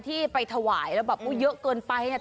ดันไปบอกว่าเราเป็นคนชั้นแล้ว